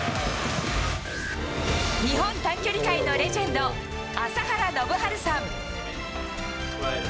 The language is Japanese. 日本短距離界のレジェンド、朝原宣治さん。